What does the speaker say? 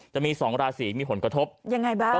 จะมี๒ราศีมีผลกระทบยังไงบ้าง